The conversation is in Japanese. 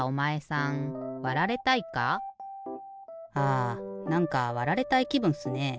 あなんかわられたいきぶんっすね。